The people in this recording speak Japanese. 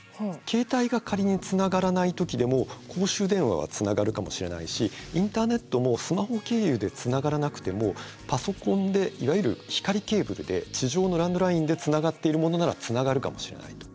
携帯が仮につながらない時でも公衆電話はつながるかもしれないしインターネットもスマホ経由でつながらなくてもパソコンでいわゆる光ケーブルで地上のランドラインでつながっているものならつながるかもしれないと。